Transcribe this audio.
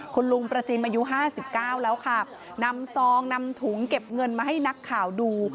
แค่ต้องแบกให้พนักงานนับก็เท่านั้นเอง